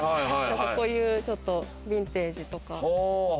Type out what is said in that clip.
こういう、ちょっとヴィンテージとか。